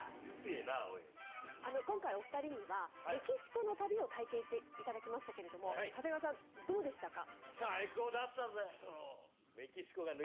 今回お二人にはメキシコの旅を体験して頂きましたけれども長谷川さんどうでしたか？